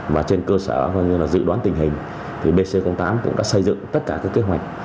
và trên cơ sở dự đoán tình hình bc tám cũng đã xây dựng tất cả các kế hoạch